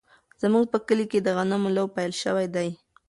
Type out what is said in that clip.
زموږ په کلي کې د غنمو لو پیل شوی دی.